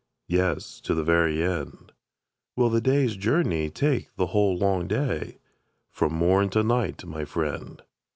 Yes, to the very end. Will the day's journey take the whole long day? From morn to night, my friend.